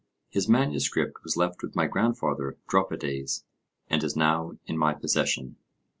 His manuscript was left with my grandfather Dropides, and is now in my possession...